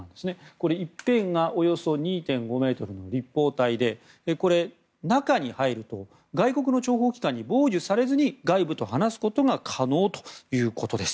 これ、一辺がおよそ２．５ｍの立方体でこれ、中に入ると外国の諜報機関に傍受されずに外部と話すことが可能ということです。